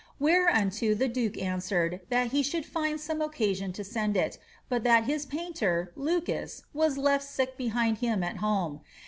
Whereunto the duke answered, that he should find some occasion to send it, but that his painter, Lucas, was left sick behind him at home.